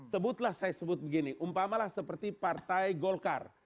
sebutlah saya sebut begini umpamalah seperti partai golkar